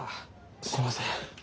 すいません。